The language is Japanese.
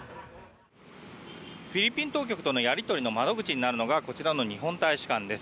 フィリピン当局とのやり取りの窓口になるのがこちらの日本大使館です。